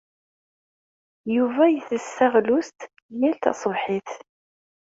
Yuba ittess taɣlust yal taṣebḥit.